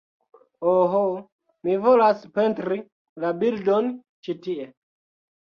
"Oh, mi volas pentri la bildon ĉi tie"